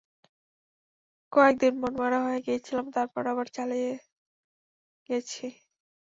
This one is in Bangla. কয়েক দিন মনমরা হয়ে ছিলাম তারপর আবার চালিয়ে গেছি।